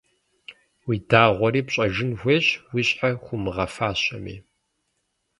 Уи дагъуэри пщӀэжын хуейщ, уи щхьэ хуумыгъэфащэми.